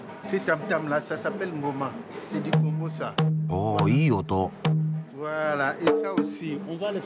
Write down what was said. おいい音。